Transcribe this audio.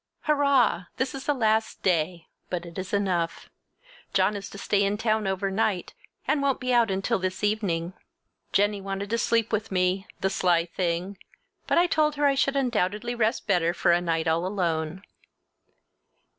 Hurrah! This is the last day, but it is enough. John is to stay in town over night, and won't be out until this evening. Jennie wanted to sleep with me—the sly thing! but I told her I should undoubtedly rest better for a night all alone.